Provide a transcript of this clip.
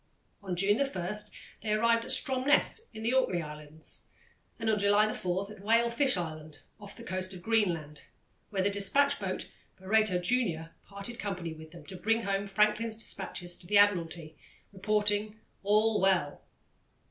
On June 1 they arrived at Stromness in the Orkney Islands, and on July 4 at Whale Fish Island, off the coast of Greenland, where the despatch boat Barreto Junior parted company with them to bring home Franklin's despatches to the Admiralty, reporting "All Well."